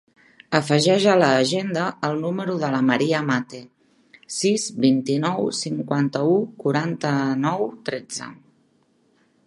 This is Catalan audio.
Afegeix a l'agenda el número de la Maria Mate: sis, vint-i-nou, cinquanta-u, quaranta-nou, tretze.